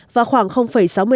và khoảng sáu mươi tám